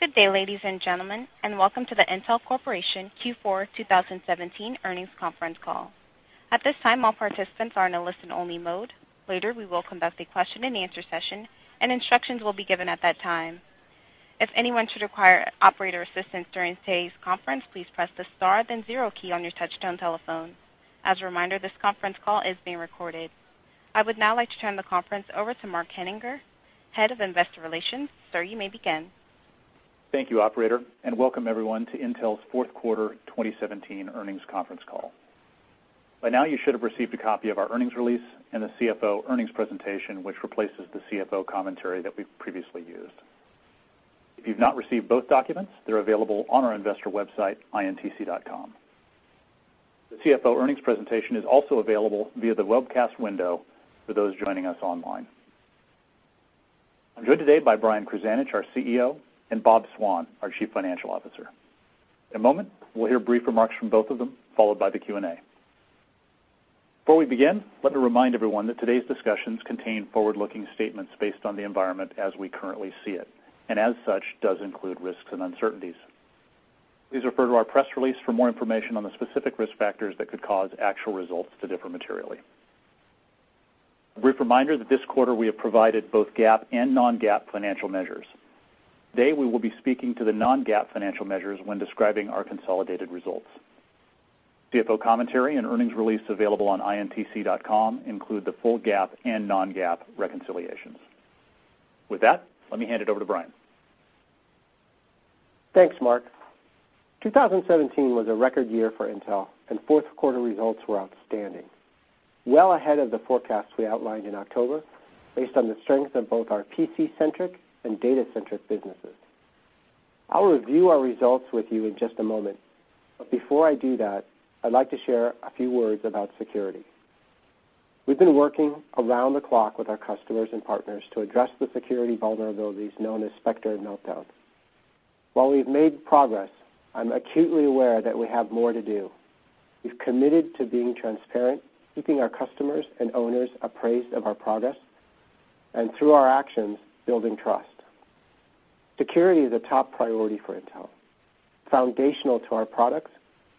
Good day, ladies and gentlemen, and welcome to the Intel Corporation Q4 2017 earnings conference call. At this time, all participants are in a listen-only mode. Later, we will conduct a question-and-answer session, and instructions will be given at that time. If anyone should require operator assistance during today's conference, please press the star then zero key on your touchtone telephone. As a reminder, this conference call is being recorded. I would now like to turn the conference over to Mark Henninger, Head of Investor Relations. Sir, you may begin. Thank you, operator, and welcome everyone to Intel's fourth quarter 2017 earnings conference call. By now, you should have received a copy of our earnings release and the CFO earnings presentation, which replaces the CFO commentary that we've previously used. If you've not received both documents, they're available on our investor website, intc.com. The CFO earnings presentation is also available via the webcast window for those joining us online. I'm joined today by Brian Krzanich, our CEO, and Bob Swan, our Chief Financial Officer. In a moment, we'll hear brief remarks from both of them, followed by the Q&A. Before we begin, let me remind everyone that today's discussions contain forward-looking statements based on the environment as we currently see it, and as such, does include risks and uncertainties. Please refer to our press release for more information on the specific risk factors that could cause actual results to differ materially. A brief reminder that this quarter we have provided both GAAP and non-GAAP financial measures. Today, we will be speaking to the non-GAAP financial measures when describing our consolidated results. CFO commentary and earnings release available on intc.com include the full GAAP and non-GAAP reconciliations. With that, let me hand it over to Brian. Thanks, Mark. 2017 was a record year for Intel, and fourth quarter results were outstanding, well ahead of the forecasts we outlined in October, based on the strength of both our PC-centric and data-centric businesses. I'll review our results with you in just a moment. Before I do that, I'd like to share a few words about security. We've been working around the clock with our customers and partners to address the security vulnerabilities known as Spectre and Meltdown. While we've made progress, I'm acutely aware that we have more to do. We've committed to being transparent, keeping our customers and owners appraised of our progress, and through our actions, building trust. Security is a top priority for Intel. It's foundational to our products,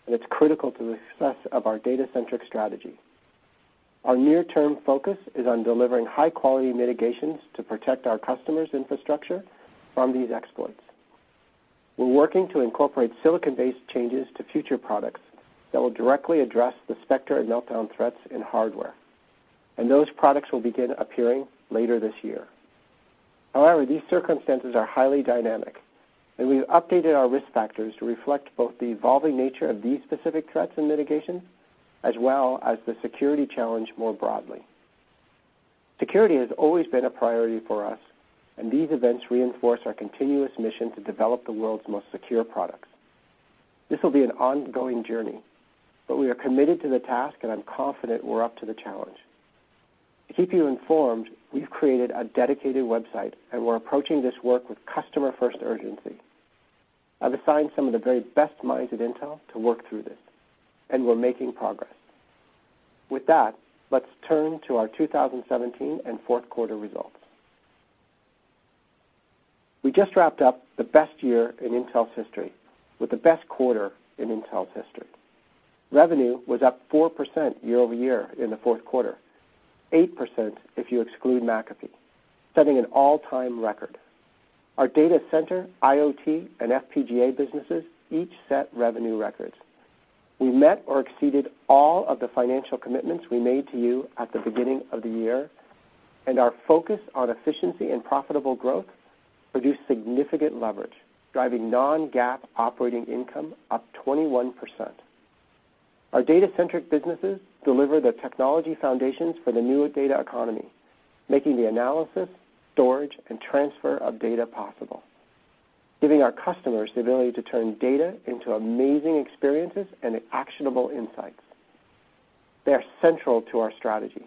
and it's critical to the success of our data-centric strategy. Our near-term focus is on delivering high-quality mitigations to protect our customers' infrastructure from these exploits. We're working to incorporate silicon-based changes to future products that will directly address the Spectre and Meltdown threats in hardware, and those products will begin appearing later this year. However, these circumstances are highly dynamic, and we've updated our risk factors to reflect both the evolving nature of these specific threats and mitigations, as well as the security challenge more broadly. Security has always been a priority for us, and these events reinforce our continuous mission to develop the world's most secure products. This will be an ongoing journey, but we are committed to the task, and I'm confident we're up to the challenge. To keep you informed, we've created a dedicated website, and we're approaching this work with customer-first urgency. I've assigned some of the very best minds at Intel to work through this, and we're making progress. With that, let's turn to our 2017 and fourth quarter results. We just wrapped up the best year in Intel's history with the best quarter in Intel's history. Revenue was up 4% year-over-year in the fourth quarter, 8% if you exclude McAfee, setting an all-time record. Our data center, IoT, and FPGA businesses each set revenue records. We met or exceeded all of the financial commitments we made to you at the beginning of the year, and our focus on efficiency and profitable growth produced significant leverage, driving non-GAAP operating income up 21%. Our data-centric businesses deliver the technology foundations for the new data economy, making the analysis, storage, and transfer of data possible, giving our customers the ability to turn data into amazing experiences and actionable insights. They are central to our strategy.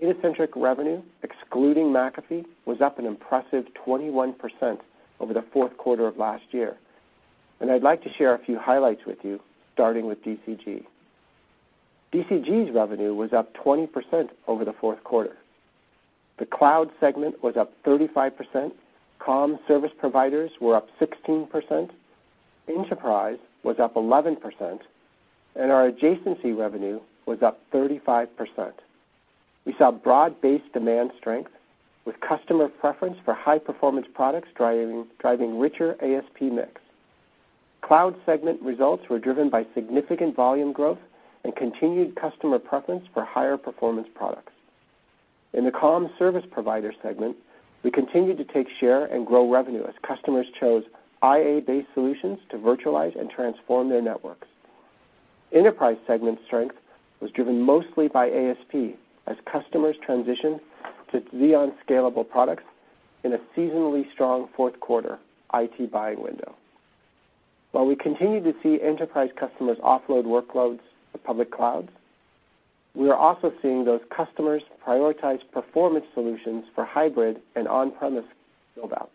Data-centric revenue, excluding McAfee, was up an impressive 21% over the fourth quarter of last year. I'd like to share a few highlights with you, starting with DCG. DCG's revenue was up 20% over the fourth quarter. The cloud segment was up 35%, comm service providers were up 16%, enterprise was up 11%, and our adjacency revenue was up 35%. We saw broad-based demand strength with customer preference for high-performance products driving richer ASP mix. Cloud segment results were driven by significant volume growth and continued customer preference for higher performance products. In the comm service provider segment, we continued to take share and grow revenue as customers chose IA-based solutions to virtualize and transform their networks. Enterprise segment strength was driven mostly by ASP as customers transitioned to Xeon Scalable products in a seasonally strong fourth quarter IT buying window. While we continue to see enterprise customers offload workloads to public clouds, we are also seeing those customers prioritize performance solutions for hybrid and on-premise build-outs.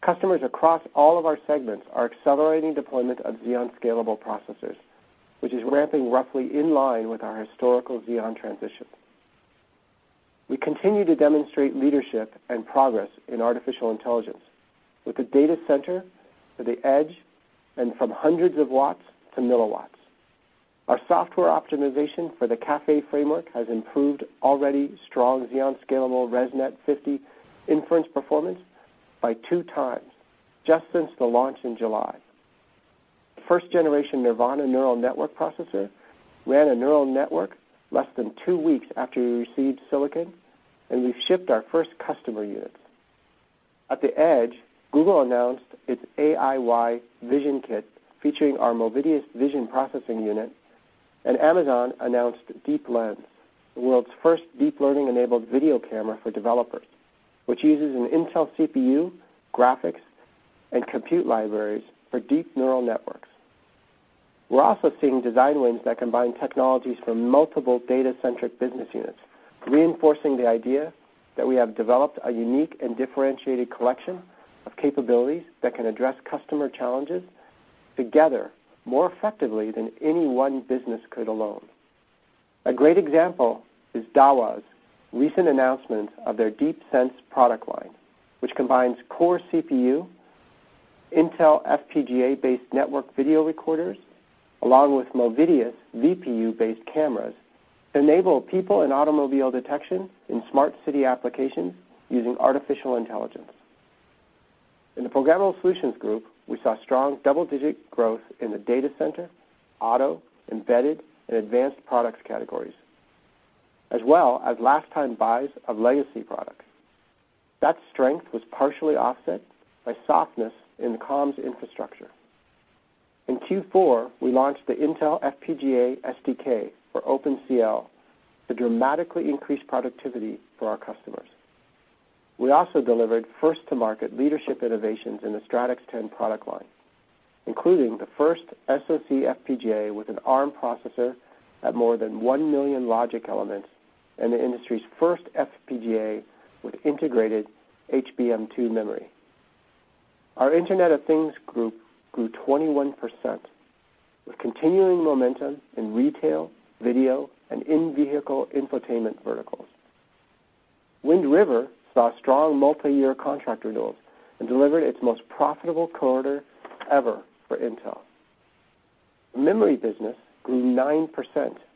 Customers across all of our segments are accelerating deployment of Xeon Scalable processors, which is ramping roughly in line with our historical Xeon transition. We continue to demonstrate leadership and progress in artificial intelligence with the data center to the edge, and from hundreds of watts to milliwatts. Our software optimization for the Caffe framework has improved already strong Xeon Scalable ResNet-50 inference performance by two times just since the launch in July. The first-generation Nervana neural network processor ran a neural network less than two weeks after we received silicon, and we've shipped our first customer units. At the edge, Google announced its AIY Vision Kit, featuring our Movidius vision processing unit, and Amazon announced DeepLens, the world's first deep learning-enabled video camera for developers, which uses an Intel CPU, graphics, and compute libraries for deep neural networks. We're also seeing design wins that combine technologies from multiple data-centric business units, reinforcing the idea that we have developed a unique and differentiated collection of capabilities that can address customer challenges together more effectively than any one business could alone. A great example is Dahua's recent announcement of their DeepSense product line, which combines core CPU, Intel FPGA-based network video recorders, along with Movidius VPU-based cameras to enable people and automobile detection in smart city applications using artificial intelligence. In the Programmable Solutions Group, we saw strong double-digit growth in the data center, auto, embedded, and advanced products categories, as well as last-time buys of legacy products. That strength was partially offset by softness in the comms infrastructure. In Q4, we launched the Intel FPGA SDK for OpenCL to dramatically increase productivity for our customers. We also delivered first-to-market leadership innovations in the Stratix 10 product line, including the first SoC FPGA with an Arm processor at more than one million logic elements and the industry's first FPGA with integrated HBM2 memory. Our Internet of Things Group grew 21%, with continuing momentum in retail, video, and in-vehicle infotainment verticals. Wind River saw strong multi-year contract renewals and delivered its most profitable quarter ever for Intel. The memory business grew 9%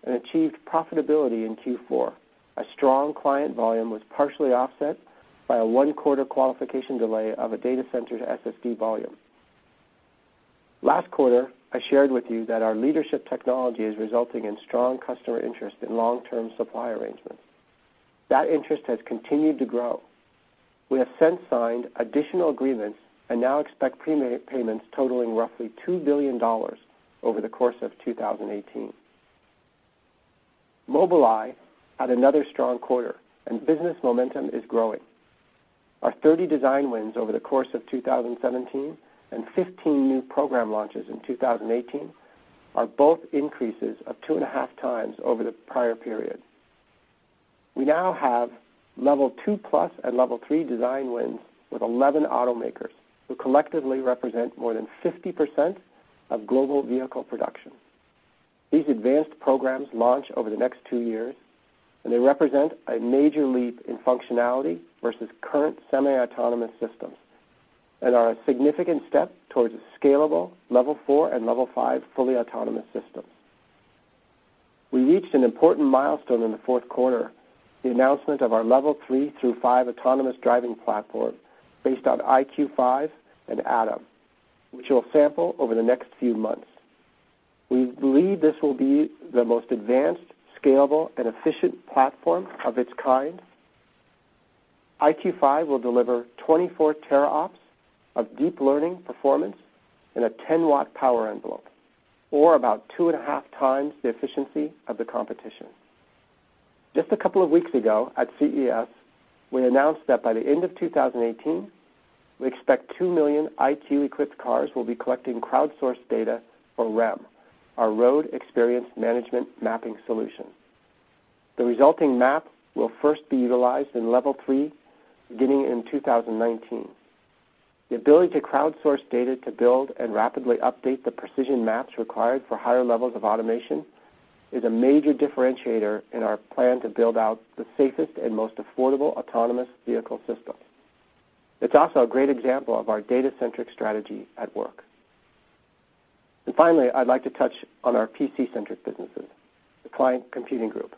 and achieved profitability in Q4. A strong client volume was partially offset by a one-quarter qualification delay of a data center's SSD volume. Last quarter, I shared with you that our leadership technology is resulting in strong customer interest in long-term supply arrangements. That interest has continued to grow. We have since signed additional agreements and now expect pre-paid payments totaling roughly $2 billion over the course of 2018. Mobileye had another strong quarter, and business momentum is growing. Our 30 design wins over the course of 2017 and 15 new program launches in 2018 are both increases of two and a half times over the prior period. We now have level 2 plus and level 3 design wins with 11 automakers, who collectively represent more than 50% of global vehicle production. These advanced programs launch over the next two years, and they represent a major leap in functionality versus current semi-autonomous systems and are a significant step towards a scalable level 4 and level 5 fully autonomous system. We reached an important milestone in the fourth quarter, the announcement of our level 3 through five autonomous driving platform based on EyeQ5 and Atom, which we'll sample over the next few months. We believe this will be the most advanced, scalable, and efficient platform of its kind. EyeQ5 will deliver 24 teraops of deep learning performance in a 10-watt power envelope or about two and a half times the efficiency of the competition. Just a couple of weeks ago at CES, we announced that by the end of 2018, we expect two million EyeQ-equipped cars will be collecting crowdsourced data for REM, our Road Experience Management mapping solution. The resulting map will first be utilized in level 3 beginning in 2019. The ability to crowdsource data to build and rapidly update the precision maps required for higher levels of automation is a major differentiator in our plan to build out the safest and most affordable autonomous vehicle system. It's also a great example of our data-centric strategy at work. Finally, I'd like to touch on our PC-centric businesses, the Client Computing Group.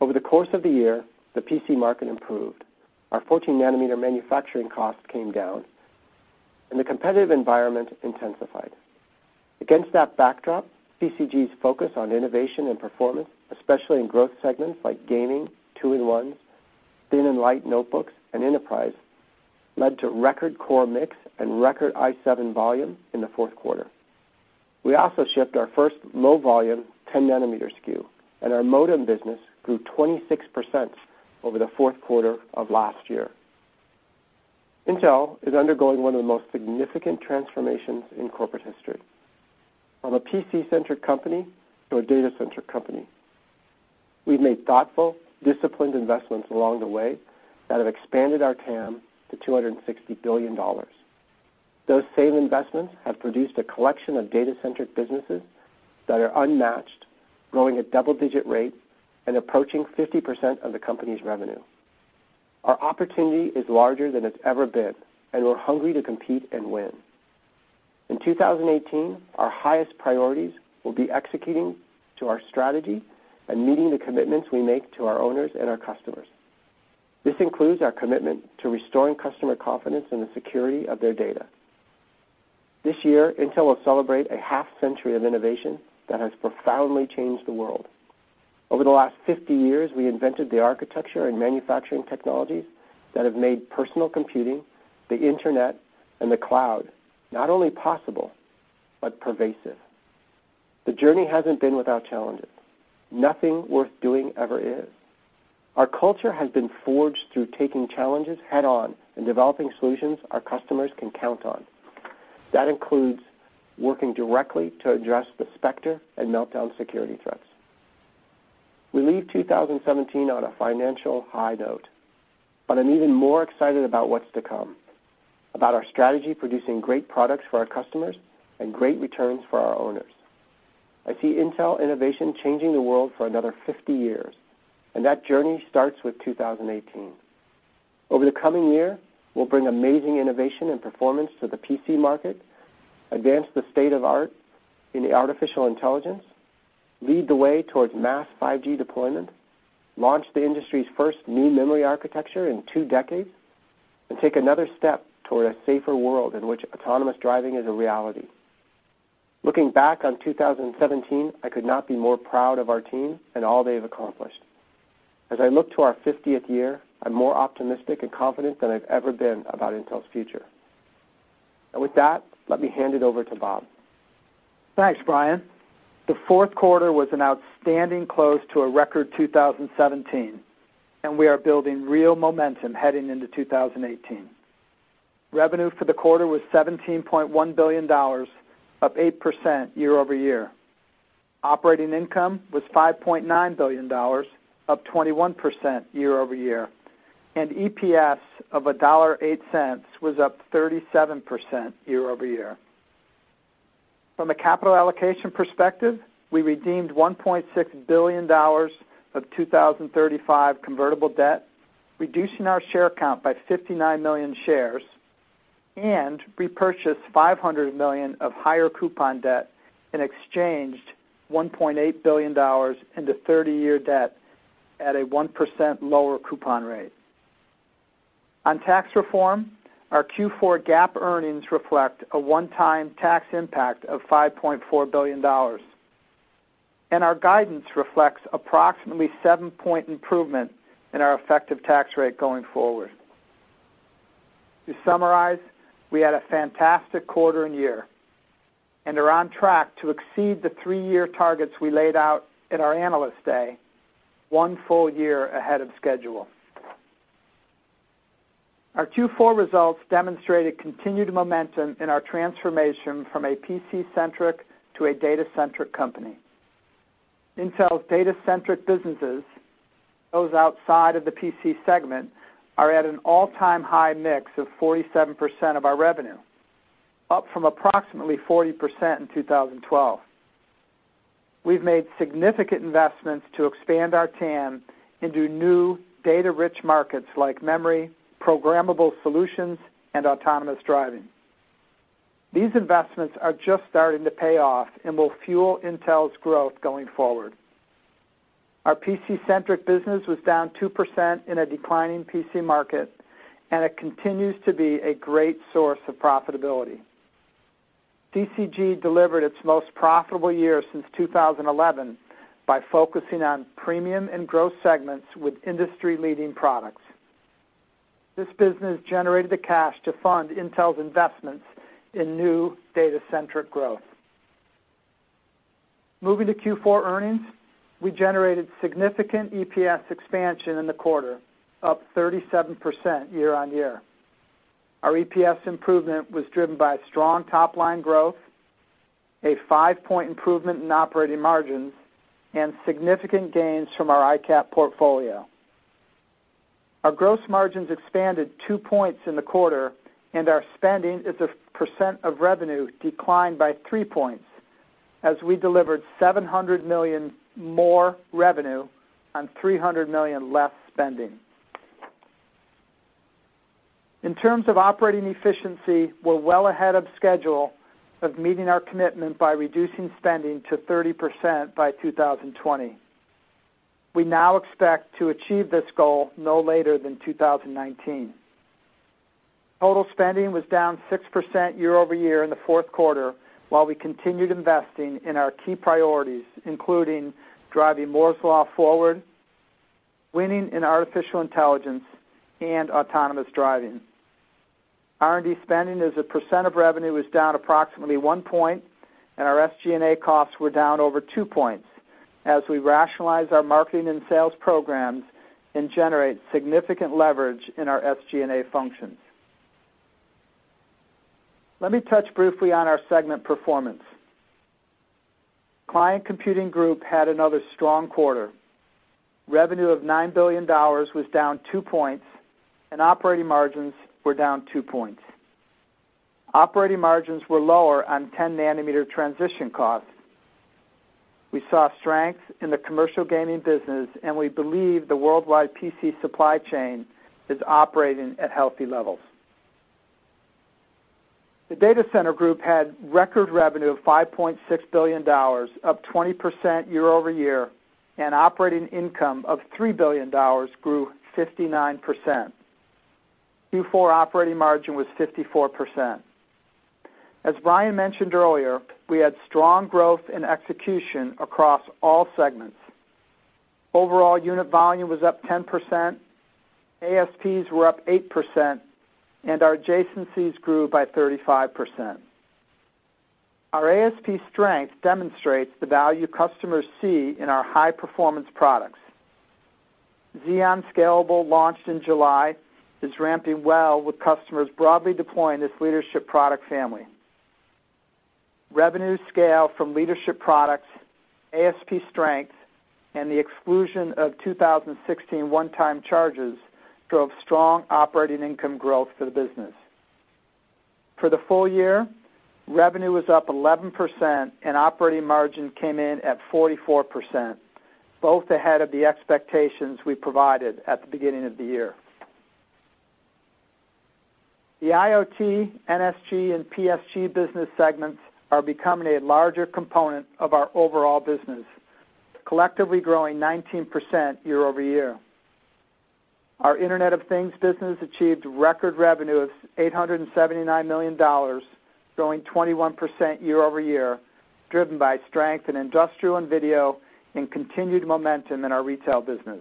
Over the course of the year, the PC market improved. Our 14-nanometer manufacturing cost came down, and the competitive environment intensified. Against that backdrop, PCG's focus on innovation and performance, especially in growth segments like gaming, two-in-ones, thin and light notebooks, and enterprise, led to record core mix and record i7 volume in the fourth quarter. We also shipped our first low-volume 10-nanometer SKU, and our modem business grew 26% over the fourth quarter of last year. Intel is undergoing one of the most significant transformations in corporate history. From a PC-centric company to a data-centric company. We've made thoughtful, disciplined investments along the way that have expanded our TAM to $260 billion. Those same investments have produced a collection of data-centric businesses that are unmatched, growing at double-digit rates, and approaching 50% of the company's revenue. Our opportunity is larger than it's ever been, and we're hungry to compete and win. In 2018, our highest priorities will be executing to our strategy and meeting the commitments we make to our owners and our customers. This includes our commitment to restoring customer confidence in the security of their data. This year, Intel will celebrate a half-century of innovation that has profoundly changed the world. Over the last 50 years, we invented the architecture and manufacturing technologies that have made personal computing, the internet, and the cloud not only possible, but pervasive. The journey hasn't been without challenges. Nothing worth doing ever is. Our culture has been forged through taking challenges head-on and developing solutions our customers can count on. That includes working directly to address the Spectre and Meltdown security threats. We leave 2017 on a financial high note, but I'm even more excited about what's to come, about our strategy producing great products for our customers and great returns for our owners. I see Intel innovation changing the world for another 50 years, and that journey starts with 2018. Over the coming year, we'll bring amazing innovation and performance to the PC market, advance the state of art in artificial intelligence, lead the way towards mass 5G deployment, launch the industry's first new memory architecture in two decades, and take another step toward a safer world in which autonomous driving is a reality. Looking back on 2017, I could not be more proud of our team and all they have accomplished. As I look to our 50th year, I'm more optimistic and confident than I've ever been about Intel's future. With that, let me hand it over to Bob. Thanks, Brian. The fourth quarter was an outstanding close to a record 2017, and we are building real momentum heading into 2018. Revenue for the quarter was $17.1 billion, up 8% year-over-year. Operating income was $5.9 billion, up 21% year-over-year, and EPS of $1.08 was up 37% year-over-year. From a capital allocation perspective, we redeemed $1.6 billion of 2035 convertible debt, reducing our share count by 59 million shares, and repurchased $500 million of higher coupon debt and exchanged $1.8 billion into 30-year debt at a 1% lower coupon rate. On tax reform, our Q4 GAAP earnings reflect a one-time tax impact of $5.4 billion. Our guidance reflects approximately seven-point improvement in our effective tax rate going forward. To summarize, we had a fantastic quarter and year and are on track to exceed the three-year targets we laid out at our Analyst Day one full year ahead of schedule. Our Q4 results demonstrated continued momentum in our transformation from a PC-centric to a data-centric company. Intel's data-centric businesses, those outside of the PC segment, are at an all-time high mix of 47% of our revenue, up from approximately 40% in 2012. We've made significant investments to expand our TAM into new data-rich markets like memory, programmable solutions, and autonomous driving. These investments are just starting to pay off and will fuel Intel's growth going forward. Our PC-centric business was down 2% in a declining PC market, it continues to be a great source of profitability. DCG delivered its most profitable year since 2011 by focusing on premium and growth segments with industry-leading products. This business generated the cash to fund Intel's investments in new data-centric growth. Moving to Q4 earnings, we generated significant EPS expansion in the quarter, up 37% year-on-year. Our EPS improvement was driven by strong top-line growth, a five-point improvement in operating margins, and significant gains from our ICAP portfolio. Our gross margins expanded two points in the quarter, our spending as a percent of revenue declined by three points as we delivered $700 million more revenue on $300 million less spending. In terms of operating efficiency, we're well ahead of schedule of meeting our commitment by reducing spending to 30% by 2020. We now expect to achieve this goal no later than 2019. Total spending was down 6% year-over-year in the fourth quarter while we continued investing in our key priorities, including driving Moore's Law forward, winning in artificial intelligence, and autonomous driving. R&D spending as a percent of revenue was down approximately one point, our SG&A costs were down over two points as we rationalize our marketing and sales programs and generate significant leverage in our SG&A functions. Let me touch briefly on our segment performance. Client Computing Group had another strong quarter. Revenue of $9 billion was down two points, operating margins were down two points. Operating margins were lower on 10-nanometer transition costs. We saw strength in the commercial gaming business, we believe the worldwide PC supply chain is operating at healthy levels. The Data Center Group had record revenue of $5.6 billion, up 20% year-over-year, operating income of $3 billion, grew 59%. Q4 operating margin was 54%. As Brian mentioned earlier, we had strong growth and execution across all segments. Overall unit volume was up 10%, ASPs were up 8%, our adjacencies grew by 35%. Our ASP strength demonstrates the value customers see in our high-performance products. Xeon Scalable, launched in July, is ramping well with customers broadly deploying this leadership product family. Revenue scale from leadership products, ASP strength, and the exclusion of 2016 one-time charges drove strong operating income growth for the business. For the full year, revenue was up 11%, operating margin came in at 44%, both ahead of the expectations we provided at the beginning of the year. The IoT, NSG, and PSG business segments are becoming a larger component of our overall business, collectively growing 19% year-over-year. Our Internet of Things business achieved record revenue of $879 million, growing 21% year-over-year, driven by strength in industrial and video and continued momentum in our retail business.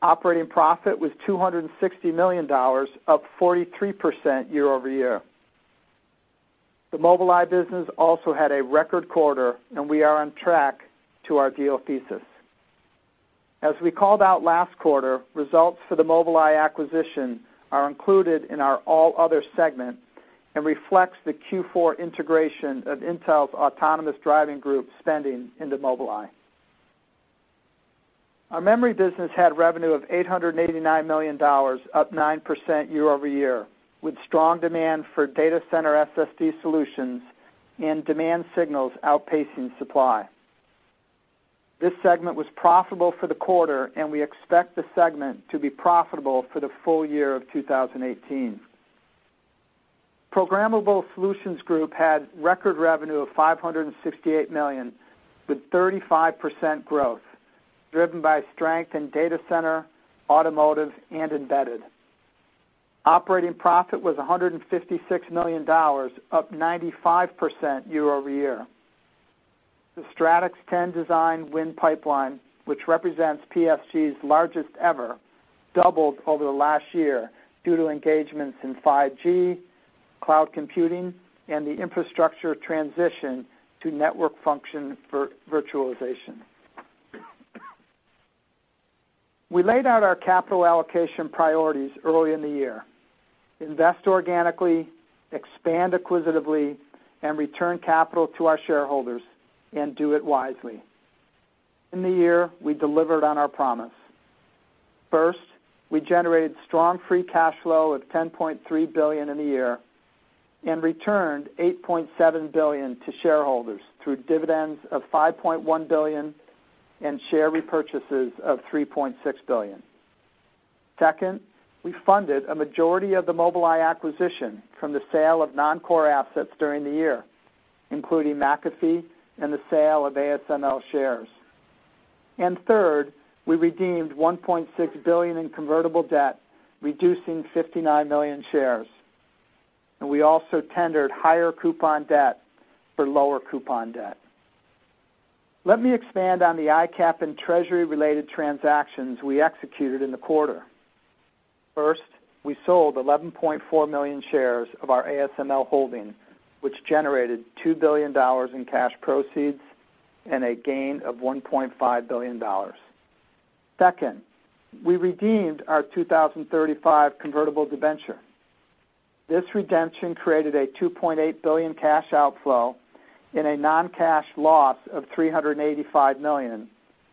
Operating profit was $260 million, up 43% year-over-year. The Mobileye business also had a record quarter, we are on track to our deal thesis. As we called out last quarter, results for the Mobileye acquisition are included in our All Other segment, reflects the Q4 integration of Intel's autonomous driving group spending into Mobileye. Our memory business had revenue of $889 million, up 9% year-over-year, with strong demand for data center SSD solutions and demand signals outpacing supply. This segment was profitable for the quarter, we expect the segment to be profitable for the full year of 2018. Programmable Solutions Group had record revenue of $568 million, with 35% growth driven by strength in data center, automotive, embedded. Operating profit was $156 million, up 95% year-over-year. The Stratix 10 design win pipeline, which represents PSG's largest ever, doubled over the last year due to engagements in 5G, cloud computing, the infrastructure transition to network function for virtualization. We laid out our capital allocation priorities early in the year. Invest organically, expand acquisitively, return capital to our shareholders, do it wisely. In the year, we delivered on our promise. First, we generated strong free cash flow of $10.3 billion in the year, returned $8.7 billion to shareholders through dividends of $5.1 billion and share repurchases of $3.6 billion. Second, we funded a majority of the Mobileye acquisition from the sale of non-core assets during the year, including McAfee and the sale of ASML shares. Third, we redeemed $1.6 billion in convertible debt, reducing 59 million shares. We also tendered higher coupon debt for lower coupon debt. Let me expand on the ICAP and treasury-related transactions we executed in the quarter. First, we sold 11.4 million shares of our ASML holding, which generated $2 billion in cash proceeds and a gain of $1.5 billion. Second, we redeemed our 2035 convertible debenture. This redemption created a $2.8 billion cash outflow and a non-cash loss of $385 million,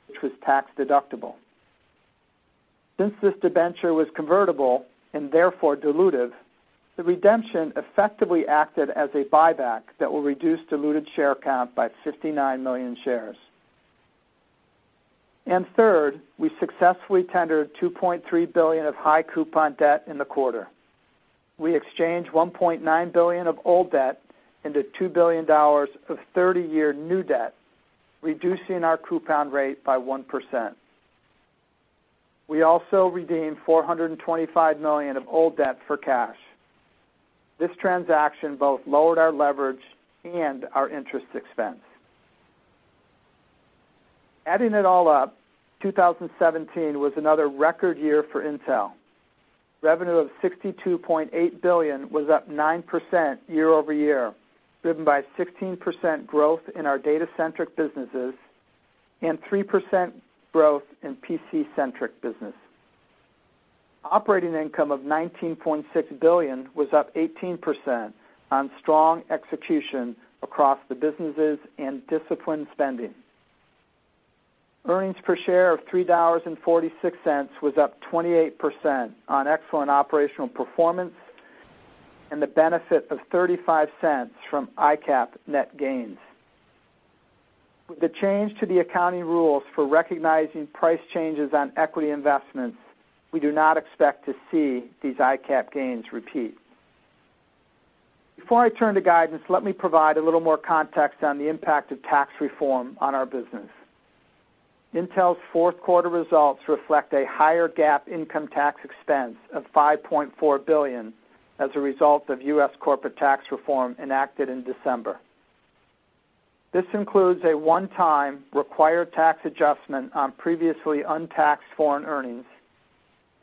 which was tax-deductible. Since this debenture was convertible, therefore dilutive, the redemption effectively acted as a buyback that will reduce diluted share count by 59 million shares. Third, we successfully tendered $2.3 billion of high coupon debt in the quarter. We exchanged $1.9 billion of old debt into $2 billion of 30-year new debt, reducing our coupon rate by 1%. We also redeemed $425 million of old debt for cash. This transaction both lowered our leverage and our interest expense. Adding it all up, 2017 was another record year for Intel. Revenue of $62.8 billion was up 9% year-over-year, driven by 16% growth in our data-centric businesses and 3% growth in PC-centric business. Operating income of $19.6 billion was up 18% on strong execution across the businesses and disciplined spending. Earnings per share of $3.46 was up 28% on excellent operational performance and the benefit of $0.35 from ICAP net gains. With the change to the accounting rules for recognizing price changes on equity investments, we do not expect to see these ICAP gains repeat. Before I turn to guidance, let me provide a little more context on the impact of tax reform on our business. Intel's fourth quarter results reflect a higher GAAP income tax expense of $5.4 billion as a result of U.S. corporate tax reform enacted in December. This includes a one-time required tax adjustment on previously untaxed foreign earnings,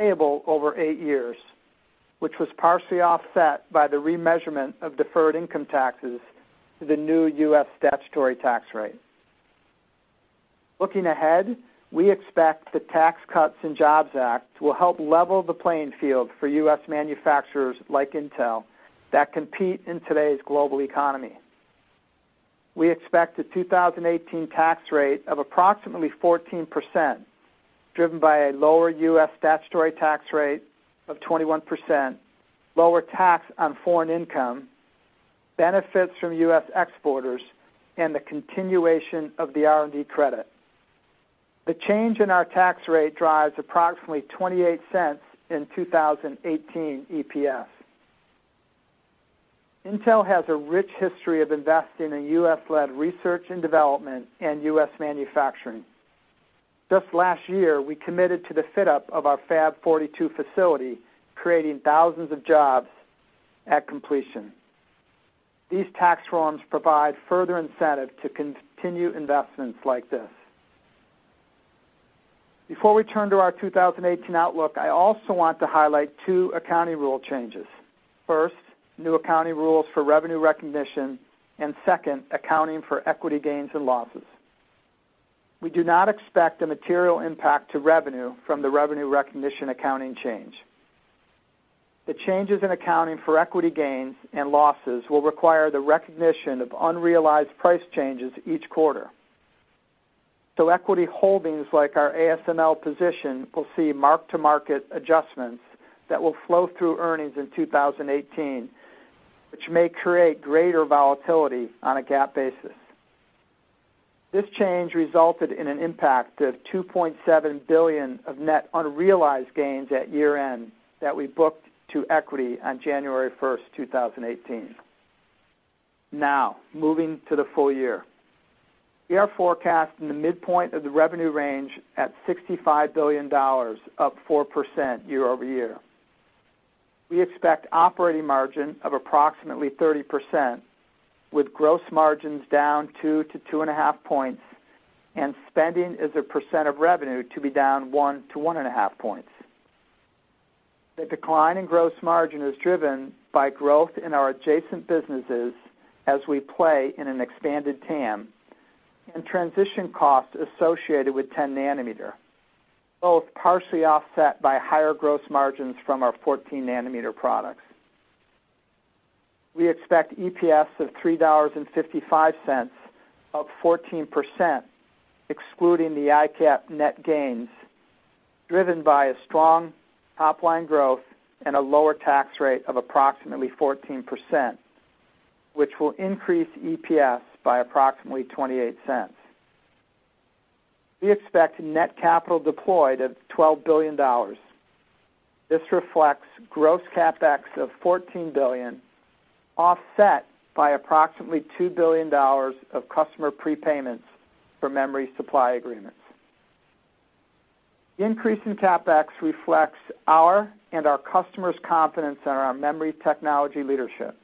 payable over eight years, which was partially offset by the remeasurement of deferred income taxes to the new U.S. statutory tax rate. Looking ahead, we expect the Tax Cuts and Jobs Act will help level the playing field for U.S. manufacturers like Intel that compete in today's global economy. We expect a 2018 tax rate of approximately 14%, driven by a lower U.S. statutory tax rate of 21%, lower tax on foreign income, benefits from U.S. exporters, and the continuation of the R&D credit. The change in our tax rate drives approximately $0.28 in 2018 EPS. Intel has a rich history of investing in U.S.-led research and development and U.S. manufacturing. Just last year, we committed to the fit-up of our Fab 42 facility, creating thousands of jobs at completion. These tax reforms provide further incentive to continue investments like this. Before we turn to our 2018 outlook, I also want to highlight two accounting rule changes. First, new accounting rules for revenue recognition, second, accounting for equity gains and losses. We do not expect a material impact to revenue from the revenue recognition accounting change. The changes in accounting for equity gains and losses will require the recognition of unrealized price changes each quarter. Equity holdings like our ASML position will see mark-to-market adjustments that will flow through earnings in 2018, which may create greater volatility on a GAAP basis. This change resulted in an impact of $2.7 billion of net unrealized gains at year-end that we booked to equity on January 1st, 2018. Now, moving to the full year. We are forecasting the midpoint of the revenue range at $65 billion, up 4% year-over-year. We expect operating margin of approximately 30%, with gross margins down 2-2.5 points and spending as a % of revenue to be down 1-1.5 points. The decline in gross margin is driven by growth in our adjacent businesses as we play in an expanded TAM, and transition costs associated with 10-nanometer, both partially offset by higher gross margins from our 14-nanometer products. We expect EPS of $3.55, up 14%, excluding the ICAP net gains, driven by a strong top-line growth and a lower tax rate of approximately 14%, which will increase EPS by approximately $0.28. We expect net capital deployed of $12 billion. This reflects gross CapEx of $14 billion, offset by approximately $2 billion of customer prepayments for memory supply agreements. The increase in CapEx reflects our and our customers' confidence in our memory technology leadership.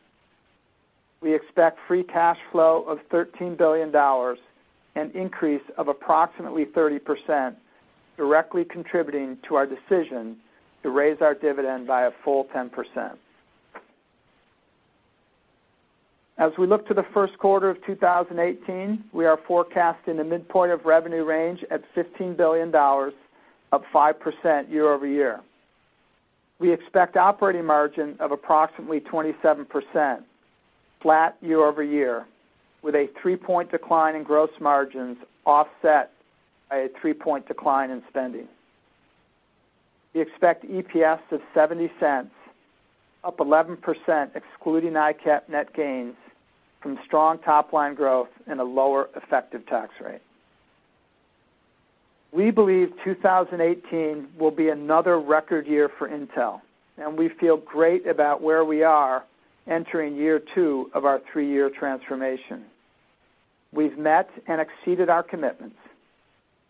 We expect free cash flow of $13 billion, an increase of approximately 30%, directly contributing to our decision to raise our dividend by a full 10%. As we look to the first quarter of 2018, we are forecasting a midpoint of revenue range at $15 billion, up 5% year-over-year. We expect operating margin of approximately 27%, flat year-over-year, with a 3-point decline in gross margins offset by a 3-point decline in spending. We expect EPS of $0.70, up 11%, excluding ICAP net gains, from strong top-line growth and a lower effective tax rate. We believe 2018 will be another record year for Intel, and we feel great about where we are entering year two of our three-year transformation. We've met and exceeded our commitments.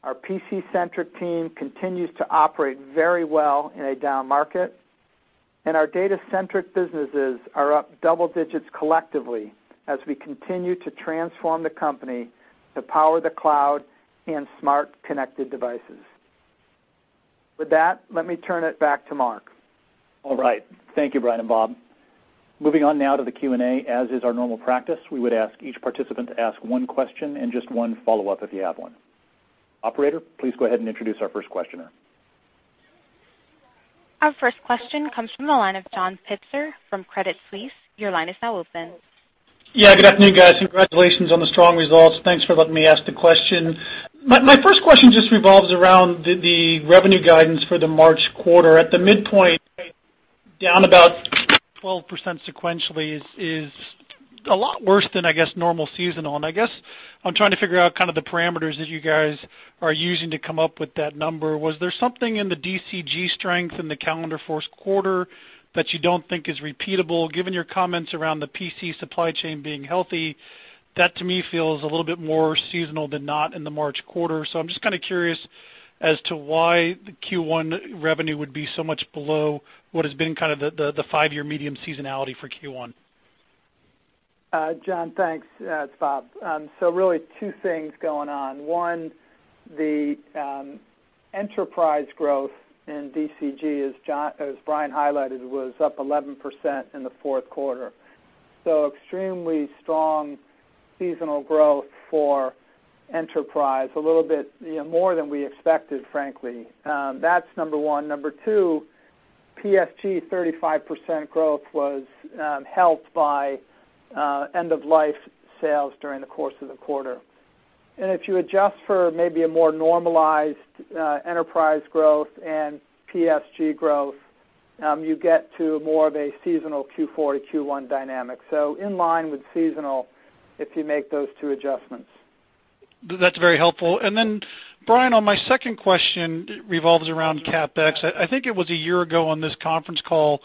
Our PC-centric team continues to operate very well in a down market. Our data-centric businesses are up double digits collectively as we continue to transform the company to power the cloud and smart connected devices. With that, let me turn it back to Mark. All right. Thank you, Brian and Bob. Moving on now to the Q&A. As is our normal practice, we would ask each participant to ask one question and just one follow-up if you have one. Operator, please go ahead and introduce our first questioner. Our first question comes from the line of John Pitzer from Credit Suisse. Your line is now open. Yeah. Good afternoon, guys. Congratulations on the strong results. Thanks for letting me ask the question. My first question just revolves around the revenue guidance for the March quarter. At the midpoint, down about 12% sequentially is a lot worse than, I guess, normal seasonal. I guess, I'm trying to figure out kind of the parameters that you guys are using to come up with that number. Was there something in the DCG strength in the calendar first quarter that you don't think is repeatable? Given your comments around the PC supply chain being healthy, that to me feels a little bit more seasonal than not in the March quarter. I'm just kind of curious as to why the Q1 revenue would be so much below what has been kind of the five-year medium seasonality for Q1. John, thanks. It's Bob. Really two things going on. One, the enterprise growth in DCG, as Brian highlighted, was up 11% in the fourth quarter, extremely strong seasonal growth for enterprise, a little bit more than we expected, frankly. That's number one. Number two, PSG, 35% growth was helped by end-of-life sales during the course of the quarter. If you adjust for maybe a more normalized enterprise growth and PSG growth, you get to more of a seasonal Q4 to Q1 dynamic. In line with seasonal, if you make those two adjustments. That's very helpful. Brian, on my second question, it revolves around CapEx. I think it was a year ago on this conference call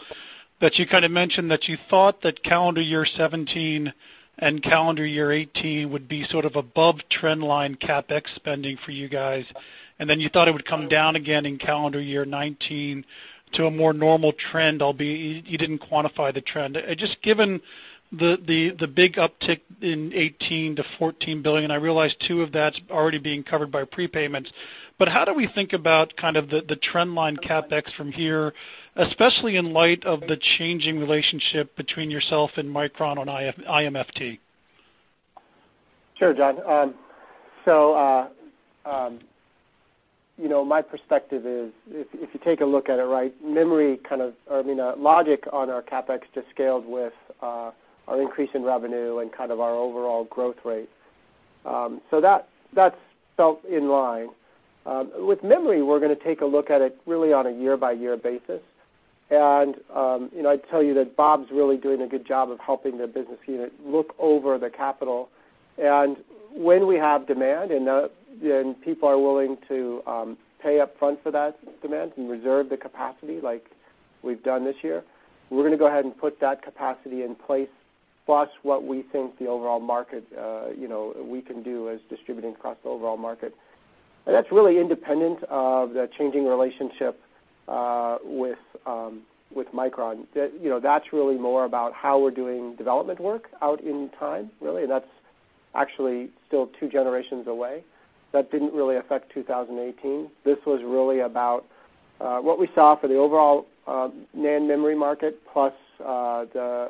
that you kind of mentioned that you thought that calendar year 2017 and calendar year 2018 would be sort of above trend line CapEx spending for you guys, and then you thought it would come down again in calendar year 2019 to a more normal trend, albeit you didn't quantify the trend. Just given the big uptick in 2018 to $14 billion, I realize two of that's already being covered by prepayments, but how do we think about kind of the trend line CapEx from here, especially in light of the changing relationship between yourself and Micron on IMFT? Sure, John. My perspective is, if you take a look at it, right, logic on our CapEx just scaled with our increase in revenue and kind of our overall growth rate. That's felt in line. With memory, we're going to take a look at it really on a year-by-year basis. I'd tell you that Bob's really doing a good job of helping the business unit look over the capital. When we have demand and people are willing to pay up front for that demand and reserve the capacity like we've done this year, we're going to go ahead and put that capacity in place, plus what we think the overall market, we can do as distributing across the overall market. That's really independent of the changing relationship with Micron. That's really more about how we're doing development work out in time, really, and that's actually still two generations away. That didn't really affect 2018. This was really about what we saw for the overall NAND memory market plus the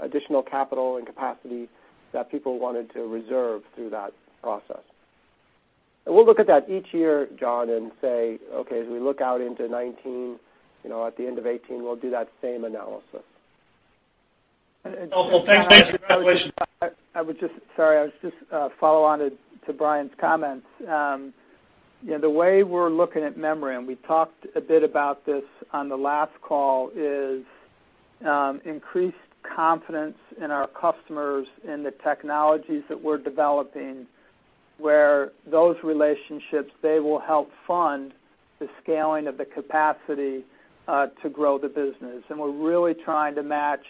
additional capital and capacity that people wanted to reserve through that process. We'll look at that each year, John, and say, okay, as we look out into 2019, at the end of 2018, we'll do that same analysis. Awesome. Thanks. Sorry, I was just follow on to Brian Krzanich's comments. The way we're looking at memory, and we talked a bit about this on the last call, is increased confidence in our customers in the technologies that we're developing, where those relationships, they will help fund the scaling of the capacity to grow the business. We're really trying to match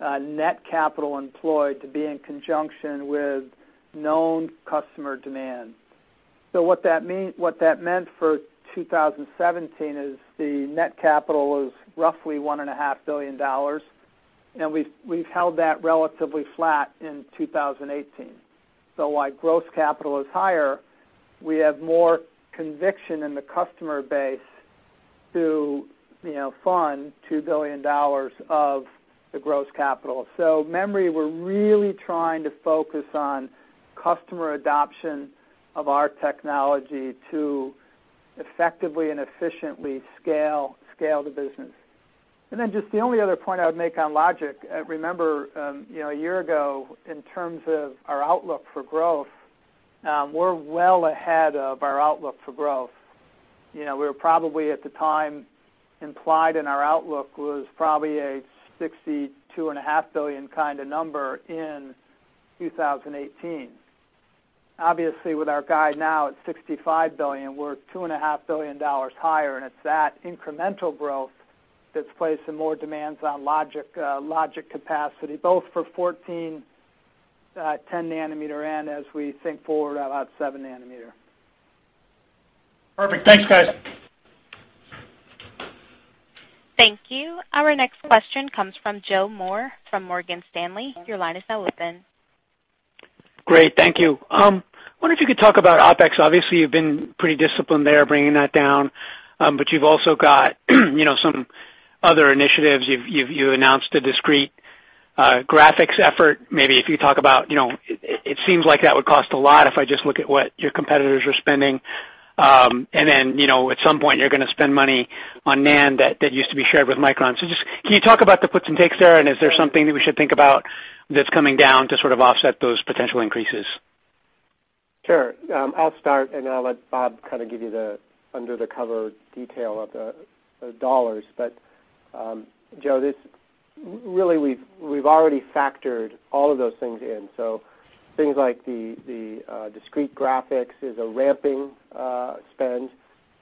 net capital employed to be in conjunction with known customer demand. What that meant for 2017 is the net capital was roughly $1.5 billion. We've held that relatively flat in 2018. While gross capital is higher, we have more conviction in the customer base to fund $2 billion of the gross capital. Memory, we're really trying to focus on customer adoption of our technology to effectively and efficiently scale the business. Just the only other point I would make on logic, remember, a year ago, in terms of our outlook for growth, we're well ahead of our outlook for growth. We were probably at the time implied in our outlook was probably a $62.5 billion kind of number in 2018. Obviously, with our guide now at $65 billion, we're $2.5 billion higher, it's that incremental growth that's placing more demands on logic capacity, both for 14, 10 nanometer N as we think forward about seven nanometer. Perfect. Thanks, guys. Thank you. Our next question comes from Joe Moore from Morgan Stanley. Your line is now open. Great. Thank you. I wonder if you could talk about OpEx. Obviously, you've been pretty disciplined there, bringing that down, but you've also got some other initiatives. You've announced a discrete graphics effort. Maybe if you talk about, it seems like that would cost a lot if I just look at what your competitors are spending. At some point, you're going to spend money on NAND that used to be shared with Micron. Can you talk about the puts and takes there, and is there something that we should think about that's coming down to sort of offset those potential increases? Sure. I'll start and then I'll let Bob kind of give you the under-the-cover detail of the dollars. Joe, really, we've already factored all of those things in. Things like the discrete graphics is a ramping spend.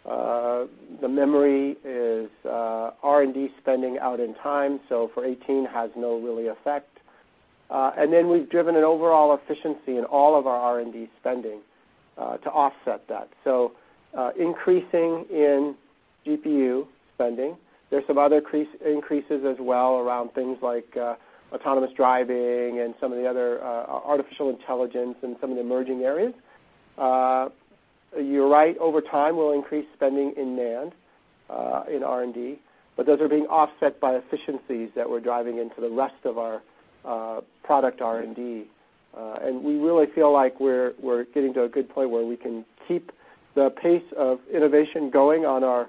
The memory is R&D spending out in time, so for 2018, has no really effect. We've driven an overall efficiency in all of our R&D spending to offset that. Increasing in GPU spending. There's some other increases as well around things like autonomous driving and some of the other artificial intelligence in some of the emerging areas. You're right. Over time, we'll increase spending in NAND, in R&D, those are being offset by efficiencies that we're driving into the rest of our product R&D. We really feel like we're getting to a good point where we can keep the pace of innovation going on our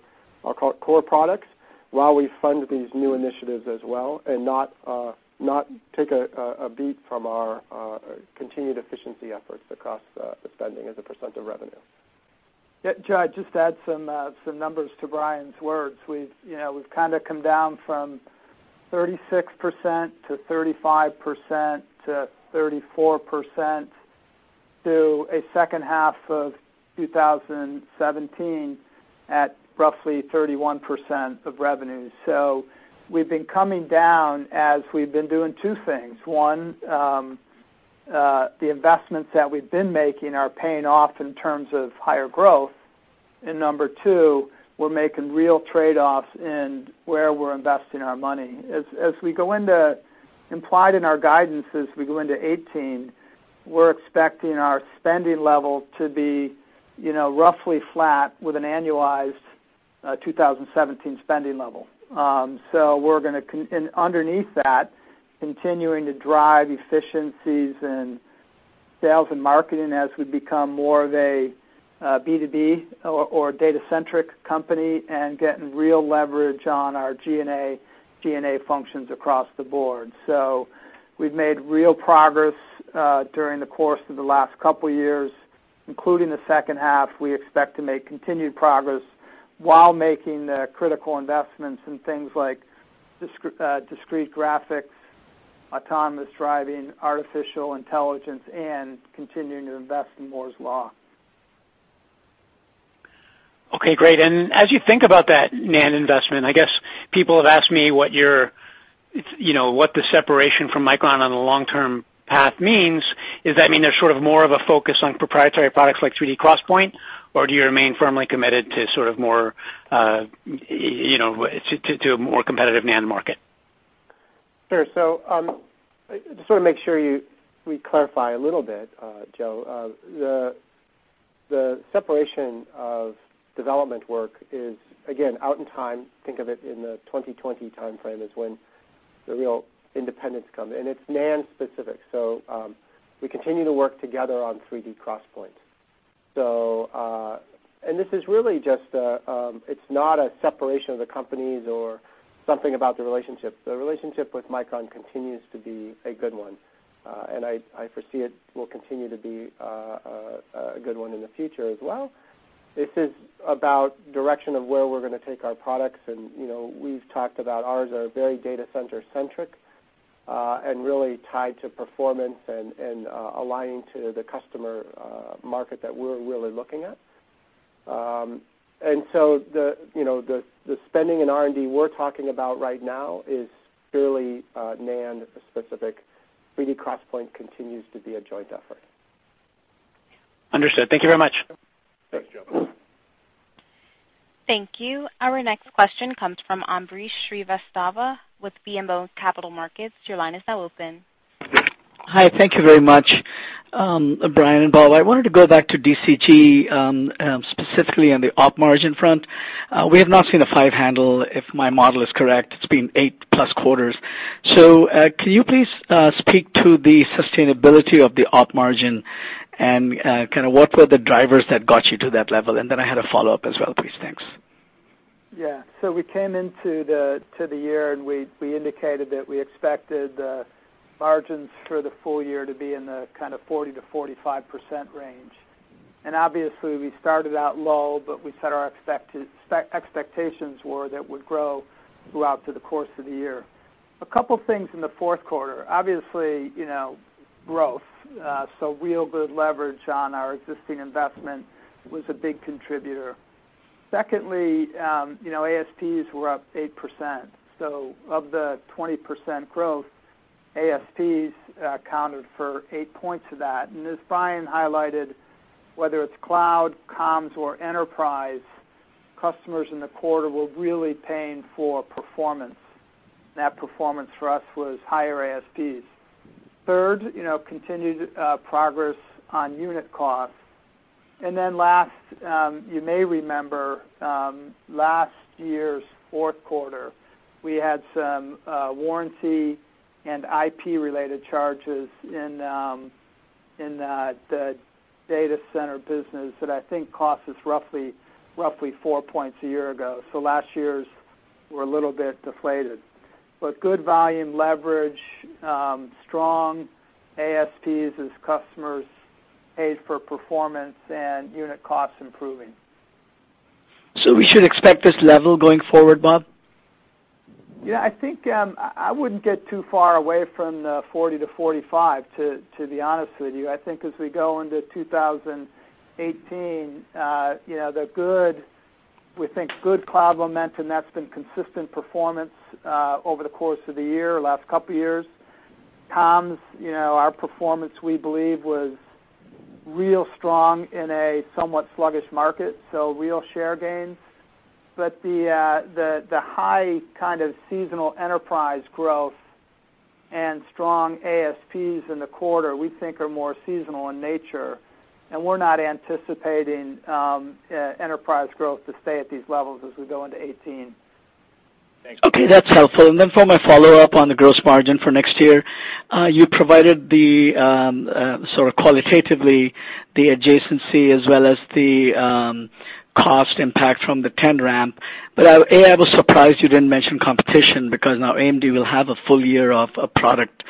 core products while we fund these new initiatives as well, and not take a beat from our continued efficiency efforts across the spending as a % of revenue. Joe, I'll just add some numbers to Brian's words. We've kind of come down from 36% to 35% to 34% to a second half of 2017 at roughly 31% of revenue. We've been coming down as we've been doing two things. One, the investments that we've been making are paying off in terms of higher growth. Number two, we're making real trade-offs in where we're investing our money. Implied in our guidance as we go into 2018, we're expecting our spending level to be roughly flat with an annualized 2017 spending level. Underneath that, continuing to drive efficiencies and sales and marketing as we become more of a B2B or data-centric company and getting real leverage on our G&A functions across the board. We've made real progress during the course of the last couple of years, including the second half. We expect to make continued progress while making the critical investments in things like discrete graphics, autonomous driving, artificial intelligence, and continuing to invest in Moore's Law. Okay, great. As you think about that NAND investment, I guess people have asked me what the separation from Micron on the long-term path means. Does that mean there's sort of more of a focus on proprietary products like 3D XPoint, or do you remain firmly committed to a more competitive NAND market? Sure. Just want to make sure we clarify a little bit, Joe. The separation of development work is, again, out in time. Think of it in the 2020 timeframe is when the real independence comes, and it's NAND specific. We continue to work together on 3D XPoint. This is really just, it's not a separation of the companies or something about the relationship. The relationship with Micron continues to be a good one. I foresee it will continue to be a good one in the future as well. This is about direction of where we're going to take our products, and we've talked about ours are very data center centric, and really tied to performance and aligning to the customer market that we're really looking at. The spending in R&D we're talking about right now is purely NAND specific. 3D XPoint continues to be a joint effort. Understood. Thank you very much. Thanks, Joe. Thank you. Our next question comes from Ambrish Srivastava with BMO Capital Markets. Your line is now open. Hi. Thank you very much. Brian and Bob, I wanted to go back to DCG, specifically on the op margin front. We have not seen a five handle, if my model is correct. It's been eight-plus quarters. Can you please speak to the sustainability of the op margin and kind of what were the drivers that got you to that level? I had a follow-up as well, please. Thanks. Yeah. We came into the year, and we indicated that we expected margins for the full year to be in the kind of 40%-45% range. Obviously, we started out low, but we set our expectations were that would grow throughout the course of the year. A couple of things in the fourth quarter. Obviously, growth. Real good leverage on our existing investment was a big contributor. Secondly, ASPs were up 8%. Of the 20% growth, ASPs accounted for eight points of that. As Brian highlighted, whether it's cloud, comms, or enterprise, customers in the quarter were really paying for performance. That performance for us was higher ASPs. Third, continued progress on unit costs. Last, you may remember, last year's fourth quarter, we had some warranty and IP-related charges in the data center business that I think cost us roughly four points a year ago. Last year's were a little bit deflated. Good volume leverage, strong ASPs as customers paid for performance, and unit costs improving. We should expect this level going forward, Bob? I think I wouldn't get too far away from the 40%-45%, to be honest with you. I think as we go into 2018, we think good cloud momentum, that's been consistent performance over the course of the year, last couple of years. Coms, our performance, we believe, was real strong in a somewhat sluggish market, so real share gains. The high kind of seasonal enterprise growth and strong ASPs in the quarter, we think are more seasonal in nature, and we're not anticipating enterprise growth to stay at these levels as we go into 2018. Okay, that's helpful. Then for my follow-up on the gross margin for next year, you provided the sort of qualitatively, the adjacency as well as the cost impact from the 10nm. A, I was surprised you didn't mention competition because now AMD will have a full year of a product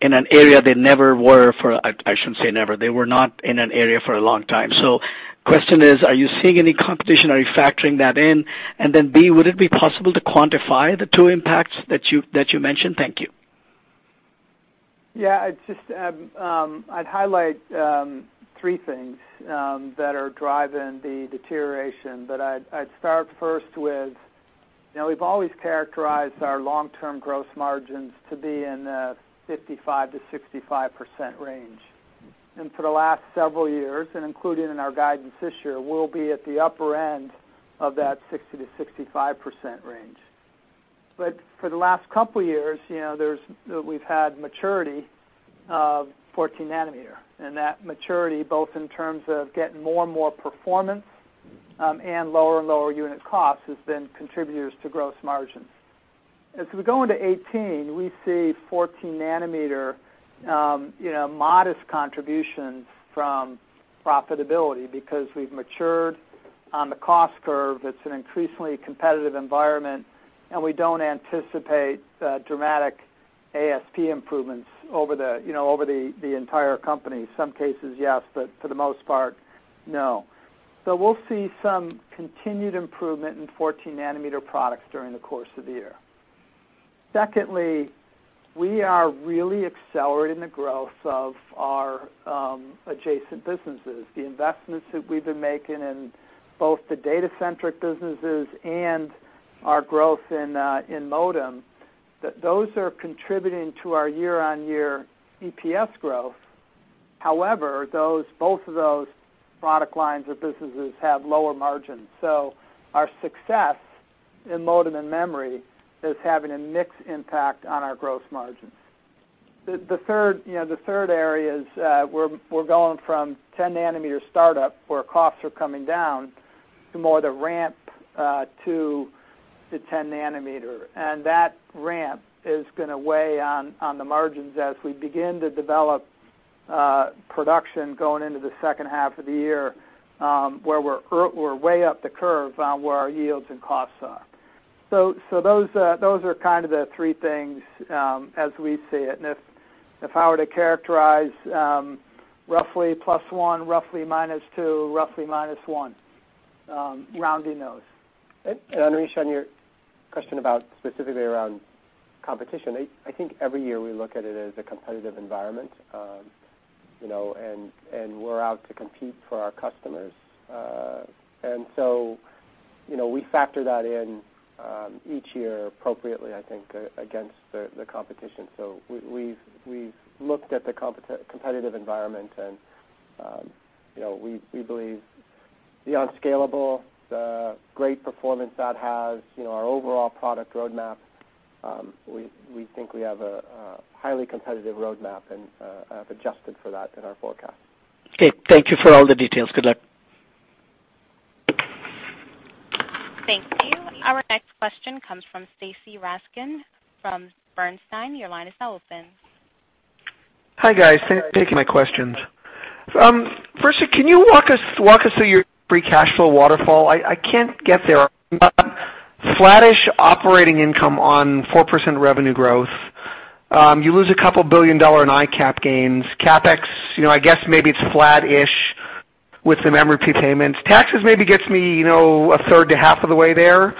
in an area they never were for, I shouldn't say never, they were not in an area for a long time. Question is, are you seeing any competition? Are you factoring that in? B, would it be possible to quantify the two impacts that you mentioned? Thank you. I'd highlight three things that are driving the deterioration. I'd start first with, we've always characterized our long-term gross margins to be in the 55%-65% range. For the last several years, and included in our guidance this year, we'll be at the upper end of that 60%-65% range. For the last couple of years, we've had maturity of 14-nanometer, and that maturity, both in terms of getting more and more performance, and lower and lower unit costs, has been contributors to gross margins. As we go into 2018, we see 14-nanometer modest contributions from profitability because we've matured on the cost curve. It's an increasingly competitive environment, and we don't anticipate dramatic ASP improvements over the entire company. Some cases, yes, but for the most part, no. We'll see some continued improvement in 14-nanometer products during the course of the year. Secondly, we are really accelerating the growth of our adjacent businesses, the investments that we've been making in both the data-centric businesses and our growth in modem, those are contributing to our year-on-year EPS growth. However, both of those product lines or businesses have lower margins. Our success in modem and memory is having a mixed impact on our gross margins. The third area is, we're going from 10-nanometer startup, where costs are coming down, to more the ramp to the 10-nanometer. That ramp is going to weigh on the margins as we begin to develop production going into the second half of the year, where we're way up the curve on where our yields and costs are. Those are kind of the three things, as we see it, and if I were to characterize, roughly plus one, roughly minus two, roughly minus one, rounding those. Ambrish, on your question about specifically around competition, I think every year we look at it as a competitive environment, and we're out to compete for our customers. We factor that in each year appropriately, I think, against the competition. We've looked at the competitive environment and we believe beyond Scalable, the great performance that has our overall product roadmap, we think we have a highly competitive roadmap and have adjusted for that in our forecast. Okay. Thank you for all the details. Good luck. Thank you. Our next question comes from Stacy Rasgon from Bernstein. Your line is now open. Thanks for taking my questions. Can you walk us through your free cash flow waterfall? I can't get there. Flattish operating income on 4% revenue growth. You lose a couple billion dollars in ICAP gains. CapEx, I guess maybe it's flattish with some MP payments. Taxes maybe gets me a third to half of the way there.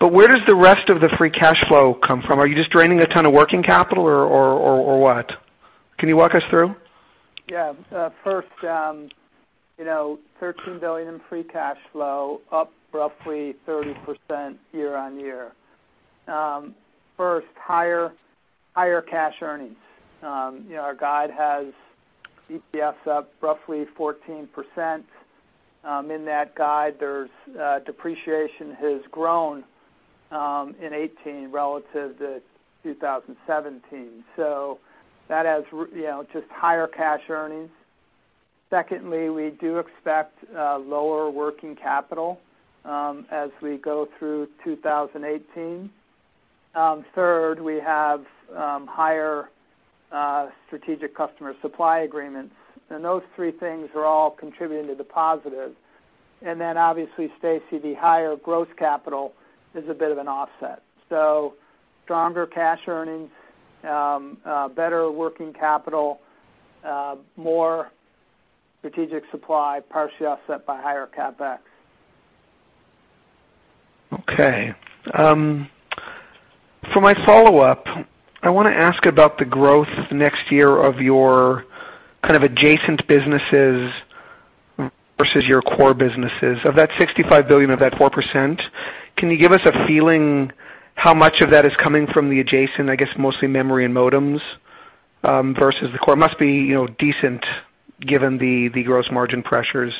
Where does the rest of the free cash flow come from? Are you just draining a ton of working capital or what? Can you walk us through? Yeah. $13 billion in free cash flow, up roughly 30% year-on-year. Higher cash earnings. Our guide has EPS up roughly 14%. In that guide, there's depreciation has grown in 2018 relative to 2017. That has just higher cash earnings. Secondly, we do expect lower working capital as we go through 2018. Third, we have higher strategic customer supply agreements. Those three things are all contributing to the positive. Obviously, Stacy, the higher gross capital is a bit of an offset. Stronger cash earnings, better working capital, more strategic supply, partially offset by higher CapEx. Okay. For my follow-up, I want to ask about the growth next year of your kind of adjacent businesses versus your core businesses. Of that $65 billion, of that 4%, can you give us a feeling how much of that is coming from the adjacent, I guess, mostly memory and modems, versus the core? It must be decent given the gross margin pressures.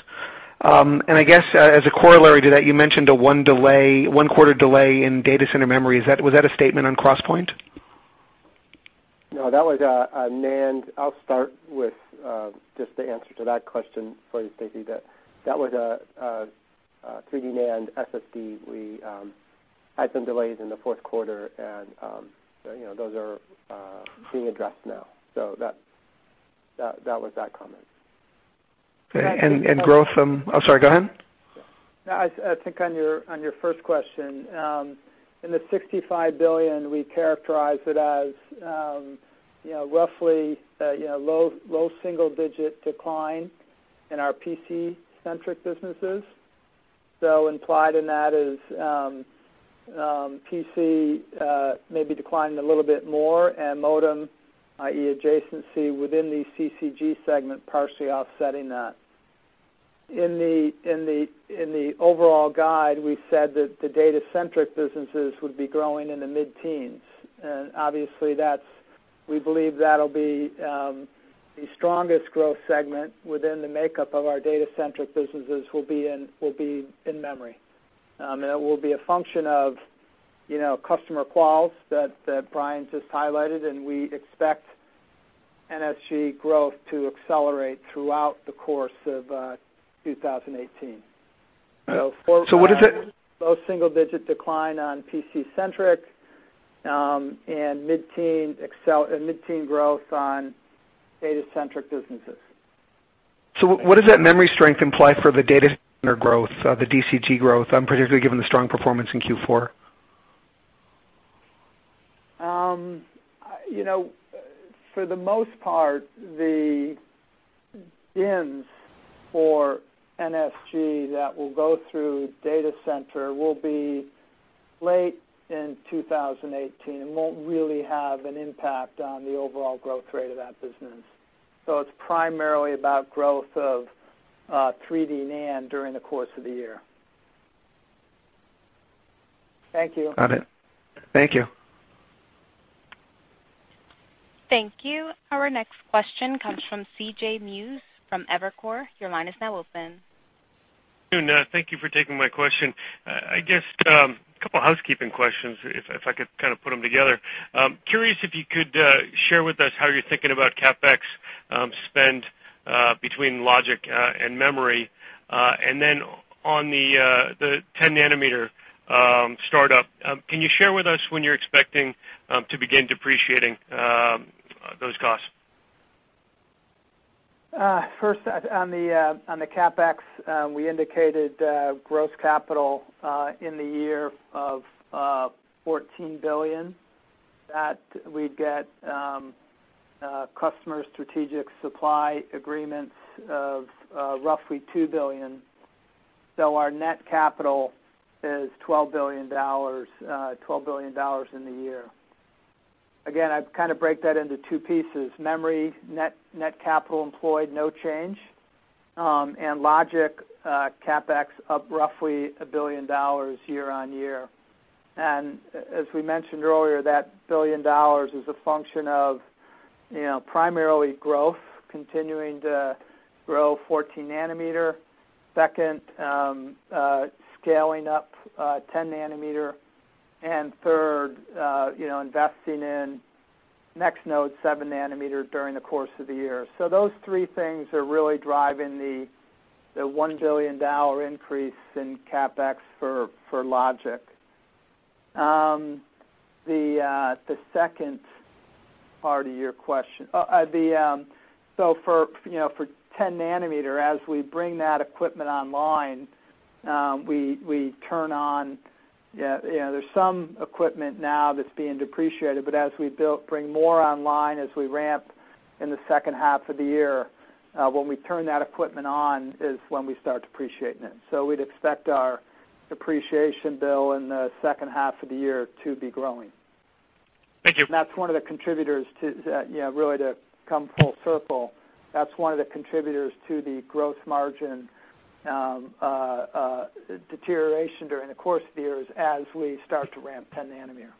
I guess, as a corollary to that, you mentioned a one quarter delay in data center memory. Was that a statement on Crosspoint? No, that was a NAND. I'll start with just the answer to that question for you, Stacy. That was a 3D NAND SSD. We had some delays in the fourth quarter, and those are being addressed now. That was that comment. Okay. Oh, sorry, go ahead. No, I think on your first question, in the $65 billion, we characterize it as roughly low single-digit decline in our PC-centric businesses. Implied in that is PC maybe declining a little bit more and modem, i.e., adjacency within the CCG segment, partially offsetting that. In the overall guide, we said that the data-centric businesses would be growing in the mid-teens, and obviously we believe that'll be the strongest growth segment within the makeup of our data-centric businesses will be in memory. It will be a function of customer quals that Brian just highlighted, and we expect NSG growth to accelerate throughout the course of 2018. What is it? Low single-digit decline on PC-centric, mid-teen growth on data-centric businesses. What does that memory strength imply for the data center growth, the DCG growth, particularly given the strong performance in Q4? For the most part, the bins for NSG that will go through data center will be late in 2018 and won't really have an impact on the overall growth rate of that business. It's primarily about growth of 3D NAND during the course of the year. Thank you. Got it. Thank you. Thank you. Our next question comes from C.J. Muse from Evercore. Your line is now open. Thank you for taking my question. I guess, a couple housekeeping questions, if I could kind of put them together. Curious if you could share with us how you're thinking about CapEx spend between logic and memory. Then on the 10 nanometer startup, can you share with us when you're expecting to begin depreciating those costs? First, on the CapEx, we indicated gross capital in the year of $14 billion, that we'd get customer strategic supply agreements of roughly $2 billion. Our net capital is $12 billion in the year. Again, I kind of break that into two pieces. Memory net capital employed, no change, and logic CapEx up roughly $1 billion year-on-year. As we mentioned earlier, that $1 billion is a function of primarily growth, continuing to grow 14 nanometer. Second, scaling up 10 nanometer, and third, investing in next node 7 nanometer during the course of the year. Those three things are really driving the $1 billion increase in CapEx for logic. The second part of your question. For 10 nanometer, as we bring that equipment online, there's some equipment now that's being depreciated, but as we bring more online, as we ramp in the second half of the year, when we turn that equipment on is when we start depreciating it. We'd expect our depreciation bill in the second half of the year to be growing. Thank you. Really to come full circle, that's one of the contributors to the gross margin a deterioration during the course of the year as we start to ramp 10-nanometer.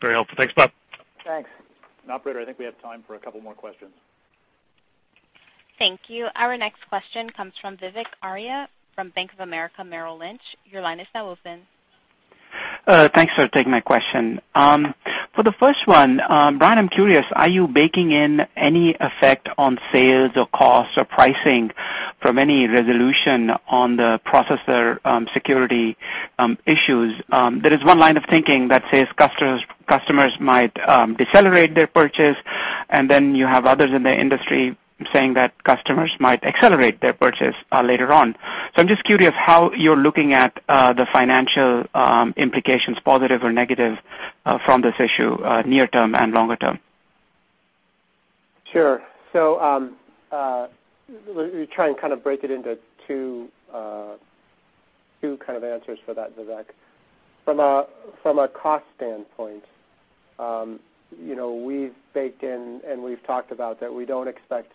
Very helpful. Thanks, Bob. Thanks. Operator, I think we have time for a couple more questions. Thank you. Our next question comes from Vivek Arya from Bank of America Merrill Lynch. Your line is now open. Thanks for taking my question. For the first one, Brian, I'm curious, are you baking in any effect on sales or costs or pricing from any resolution on the processor security issues? There is one line of thinking that says customers might decelerate their purchase, then you have others in the industry saying that customers might accelerate their purchase later on. I'm just curious how you're looking at the financial implications, positive or negative, from this issue, near term and longer term. Sure. Let me try and kind of break it into two kind of answers for that, Vivek. From a cost standpoint, we've baked in and we've talked about that we don't expect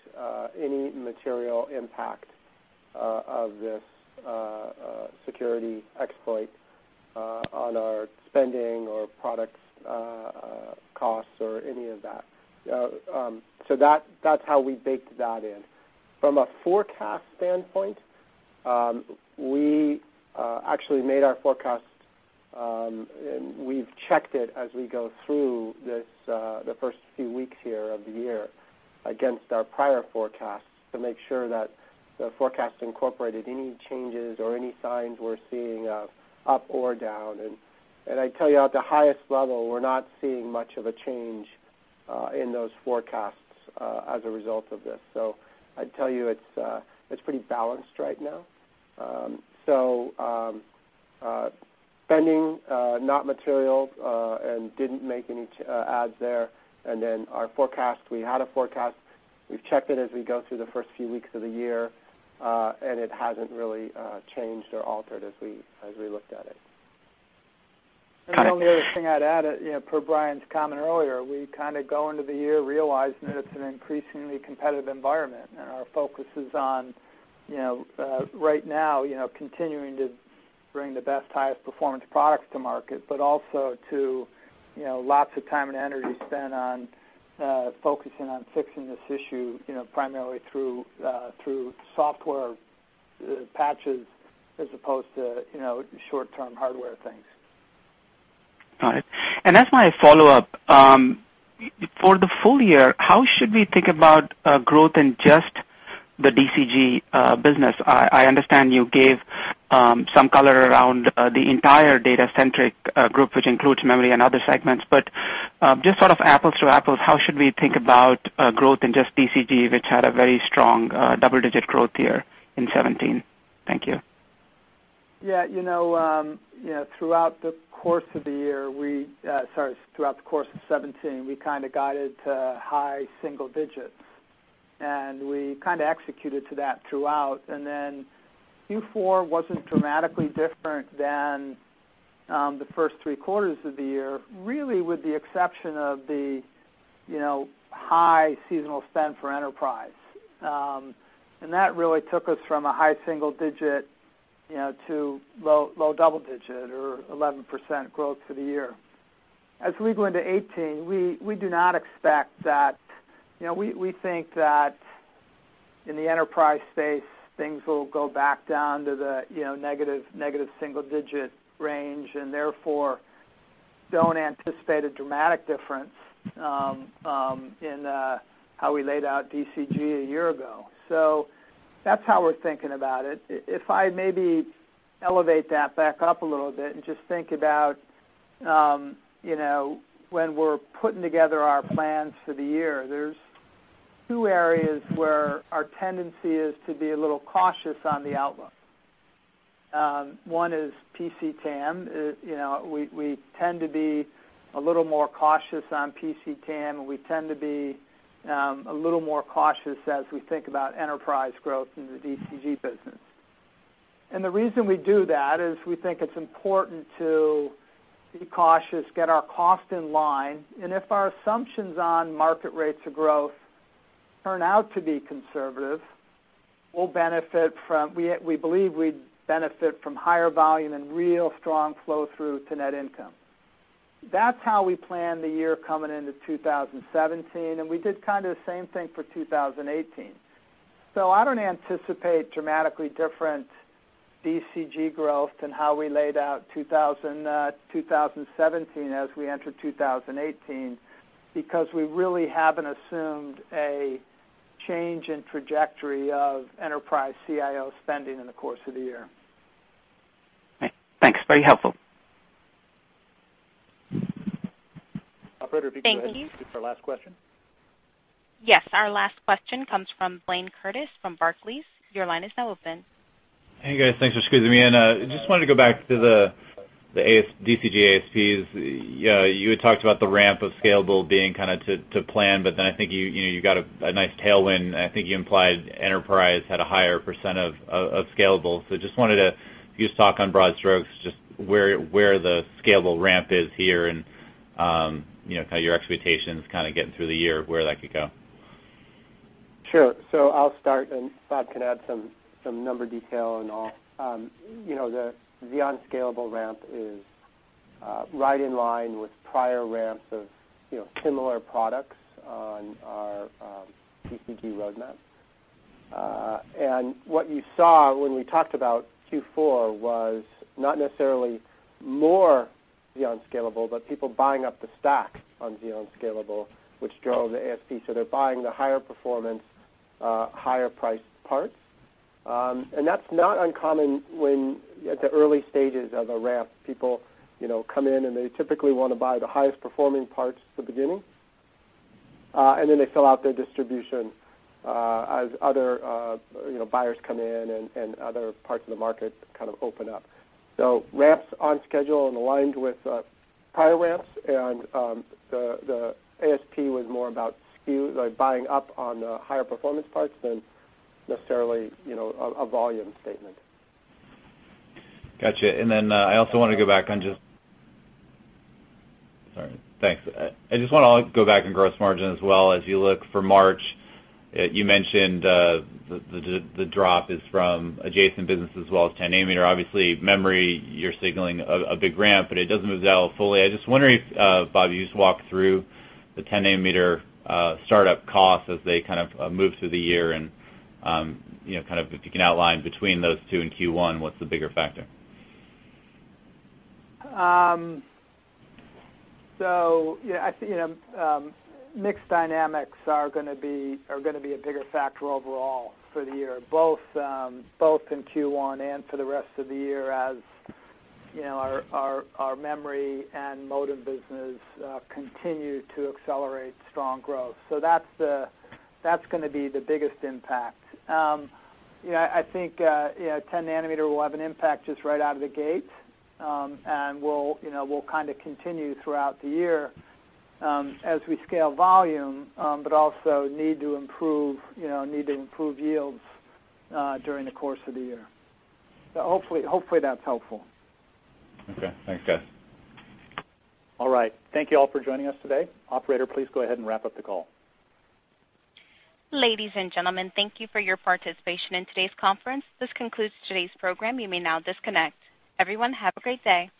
any material impact of this security exploit on our spending or product costs or any of that. That's how we baked that in. From a forecast standpoint, we actually made our forecast, and we've checked it as we go through the first few weeks here of the year against our prior forecasts to make sure that the forecast incorporated any changes or any signs we're seeing up or down. I tell you, at the highest level, we're not seeing much of a change in those forecasts as a result of this. I'd tell you it's pretty balanced right now. Spending, not material, didn't make any adds there, our forecast, we had a forecast. We've checked it as we go through the first few weeks of the year, it hasn't really changed or altered as we looked at it. The only other thing I'd add, per Brian's comment earlier, we kind of go into the year realizing that it's an increasingly competitive environment, and our focus is on right now continuing to bring the best, highest performance products to market, but also lots of time and energy spent on focusing on fixing this issue primarily through software patches as opposed to short-term hardware things. All right. As my follow-up, for the full year, how should we think about growth in just the DCG business? I understand you gave some color around the entire data-centric group, which includes memory and other segments, but just sort of apples to apples, how should we think about growth in just DCG, which had a very strong double-digit growth year in 2017? Thank you. Yeah. Throughout the course of 2017, we kind of guided to high single digits, we kind of executed to that throughout. Q4 wasn't dramatically different than the first three quarters of the year, really with the exception of the high seasonal spend for enterprise. That really took us from a high single digit to low double digit or 11% growth for the year. We go into 2018, we think that in the enterprise space, things will go back down to the negative single-digit range, therefore don't anticipate a dramatic difference in how we laid out DCG a year ago. That's how we're thinking about it. If I maybe elevate that back up a little bit and just think about when we're putting together our plans for the year, there's two areas where our tendency is to be a little cautious on the outlook. One is PC TAM. We tend to be a little more cautious on PC TAM, we tend to be a little more cautious as we think about enterprise growth in the DCG business. The reason we do that is we think it's important to be cautious, get our cost in line, and if our assumptions on market rates of growth turn out to be conservative, we believe we'd benefit from higher volume and real strong flow-through to net income. That's how we planned the year coming into 2017, we did kind of the same thing for 2018. I don't anticipate dramatically different DCG growth than how we laid out 2017 as we enter 2018, because we really haven't assumed a change in trajectory of enterprise CIO spending in the course of the year. Okay. Thanks. Very helpful. Operator- Thank you. If you could go ahead and give us our last question. Yes. Our last question comes from Blayne Curtis from Barclays. Your line is now open. Hey, guys, thanks for squeezing me in. I just wanted to go back to the DCG ASPs. You had talked about the ramp of Scalable being kind of to plan, but then I think you got a nice tailwind, and I think you implied enterprise had a higher percent of Scalable. Just wanted to get a talk on broad strokes, just where the Scalable ramp is here and kind of your expectations kind of getting through the year of where that could go. Sure. I'll start, and Bob can add some number detail and all. The Xeon Scalable ramp is right in line with prior ramps of similar products on our PCG roadmap. What you saw when we talked about Q4 was not necessarily more Xeon Scalable, but people buying up the stack on Xeon Scalable, which drove the ASP. They're buying the higher performance, higher priced parts. That's not uncommon when at the early stages of a ramp, people come in and they typically want to buy the highest performing parts at the beginning, and then they fill out their distribution as other buyers come in and other parts of the market kind of open up. Ramp's on schedule and aligned with prior ramps, and the ASP was more about SKU, like buying up on the higher performance parts than necessarily a volume statement. Got you. I also want to go back on just Sorry. Thanks. I just want to go back on gross margin as well. As you look for March, you mentioned the drop is from adjacent business as well as 10-nanometer. Obviously, memory, you're signaling a big ramp, but it doesn't move that fully. I'm just wondering if, Bob, you just walk through the 10-nanometer startup costs as they kind of move through the year and if you can outline between those two and Q1, what's the bigger factor? I think, mixed dynamics are going to be a bigger factor overall for the year, both in Q1 and for the rest of the year, as our memory and modem business continue to accelerate strong growth. That's going to be the biggest impact. I think, 10-nanometer will have an impact just right out of the gate, and will kind of continue throughout the year as we scale volume, but also need to improve yields during the course of the year. Hopefully, that's helpful. Okay. Thanks, guys. All right. Thank you all for joining us today. Operator, please go ahead and wrap up the call. Ladies and gentlemen, thank you for your participation in today's conference. This concludes today's program. You may now disconnect. Everyone, have a great day.